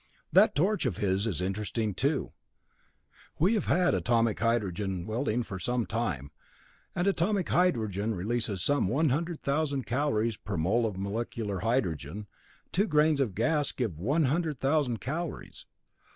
"That torch of his is interesting, too. We have had atomic hydrogen welding for some time, and atomic hydrogen releases some 100,000 calories per mole of molecular hydrogen; two grains of gas give one hundred thousand calories.